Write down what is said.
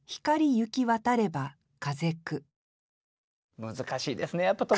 難しいですねやっぱ特選は。